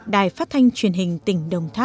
đài phát thanh truyền hình tỉnh đồng tháp